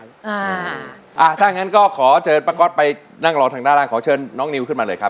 ถ้างั้นก็ขอเชิญป้าก๊อตไปนั่งรอทางด้านล่างขอเชิญน้องนิวขึ้นมาเลยครับ